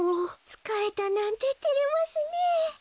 つかれたなんててれますねえ。